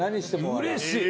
うれしい。